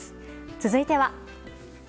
続いては。